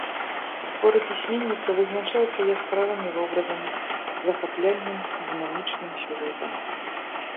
Творы пісьменніка вызначаюцца яскравымі вобразамі, захапляльным і дынамічным сюжэтам.